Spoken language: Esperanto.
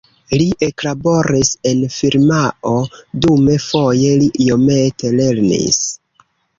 Li eklaboris en firmao, dume foje li iomete lernis.